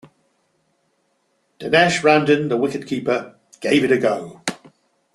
Denesh Ramdin, the wicket-keeper, gave it a go.